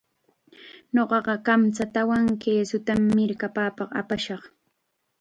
Ñuqaqa kamchatawan kisutam mirkapapaq apashaq.